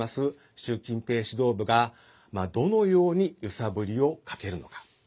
習近平指導部がどのように揺さぶりをかけるのか。